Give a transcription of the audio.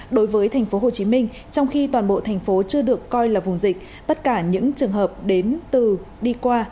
đối với tp hcm trong khi toàn bộ thành phố chưa được coi là vùng dịch tất cả những trường hợp đến từ đi qua